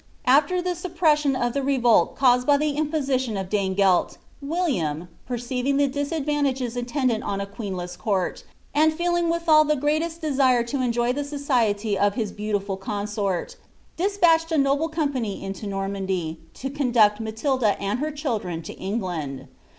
After the Huppresaion of ihe revolt caused by the imposition of D«ne> gelt, Williitni, perceiving the disadvantages attendant on a queenle^s court, and feeling withal the greatest desire to enjoy the aocieiy of his heuulifitl consorii despatched a noble company into NomiAndy, to conduct Matilda and her children, to England.'